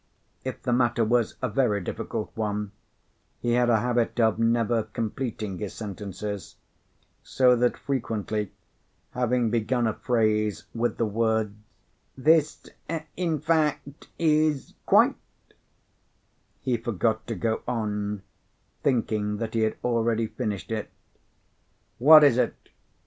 If the matter was a very difficult one, he had a habit of never completing his sentences; so that frequently, having begun a phrase with the words, "This, in fact, is quite " he forgot to go on, thinking that he had already finished it. "What is it?"